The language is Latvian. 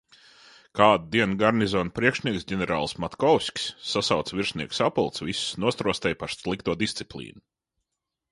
Kādu dienu garnizona priekšnieks ģenerālis Matkovskis sasauca virsnieku sapulci, visus nostrostēja par slikto disciplīnu.